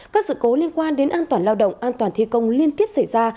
các sự cố liên quan đến an toàn lao động an toàn thi công liên tiếp xảy ra